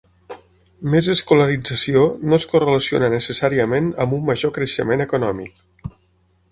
Més escolarització no es correlaciona necessàriament amb un major creixement econòmic.